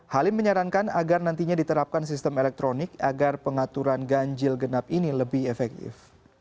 halim menyarankan agar nantinya diterapkan sistem elektronik agar pengaturan ganjil genap ini lebih efektif